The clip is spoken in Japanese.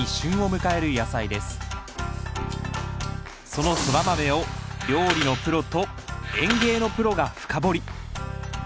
そのソラマメを料理のプロと園芸のプロが深掘り。